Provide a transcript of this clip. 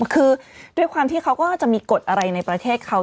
คือด้วยความที่เขาก็จะมีกฎอะไรในประเทศเขา